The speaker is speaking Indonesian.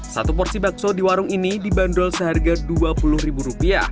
satu porsi bakso di warung ini dibanderol seharga rp dua puluh